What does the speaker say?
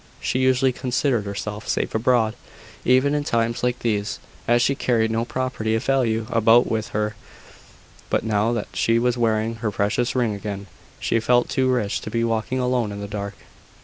She usually considered herself safe abroad, even in times like these, as she carried no property of value about with her: but now that she was wearing her precious ring again, she felt too rich to be walking alone in the dark.